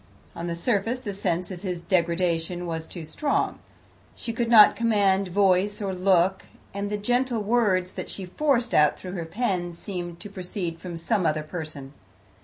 On the surface the sense of his degradation was too strong. She could not command voice or look, and the gentle words that she forced out through her pen seemed to proceed from some other person.